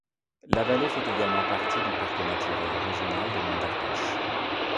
La vallée fait également partie du parc naturel régional des Monts d'Ardèche.